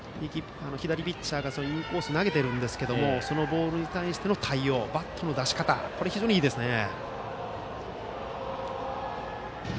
左ピッチャーがインコースに投げていますけどそのボールに対しての対応バットの出し方これが非常にいいですよね。